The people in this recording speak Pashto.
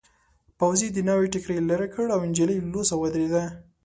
پوځي د ناوې ټکري لیرې کړ او نجلۍ لوڅه ودرېده.